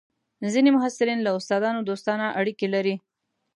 ځینې محصلین له استادانو دوستانه اړیکې لري.